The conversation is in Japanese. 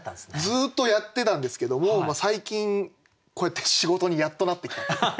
ずっとやってたんですけども最近こうやって仕事にやっとなってきた。